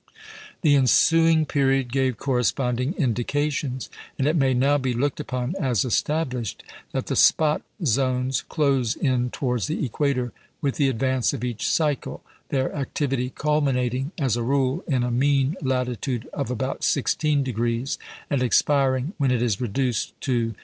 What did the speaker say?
The ensuing period gave corresponding indications; and it may now be looked upon as established that the spot zones close in towards the equator with the advance of each cycle, their activity culminating, as a rule, in a mean latitude of about 16°, and expiring when it is reduced to 6°.